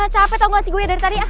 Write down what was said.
capek tau gak sih gue dari tadi ah